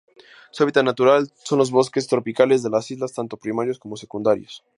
Su hábitat natural son los bosques tropicales de las islas tanto primarios como secundarios.